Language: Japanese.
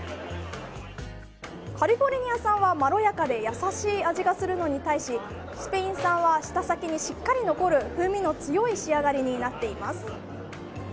カリフォルニア産はまろやかで優しい味がするのに対しスペイン産は舌先にしっかり残る風味の強い味わいになっています。